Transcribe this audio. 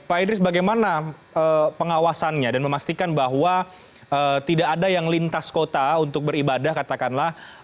pak idris bagaimana pengawasannya dan memastikan bahwa tidak ada yang lintas kota untuk beribadah katakanlah